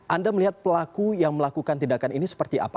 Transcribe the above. anda melihat pelaku yang melakukan tindakan ini seperti apa